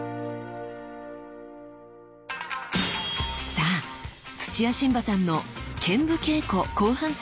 さあ土屋神葉さんの剣舞稽古後半戦です。